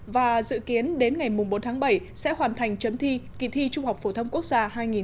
và dự kiến đến ngày bốn tháng bảy sẽ hoàn thành chấm thi kỳ thi trung học phổ thông quốc gia hai nghìn một mươi chín